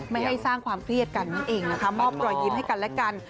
ไม่ให้สร้างความเครียดกันนั่นเองนะคะมอบรอยยิ้มให้กันและกัน